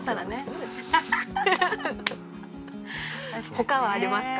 他はありますか？